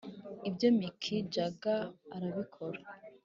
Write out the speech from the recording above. ibyo mick jagger arabikora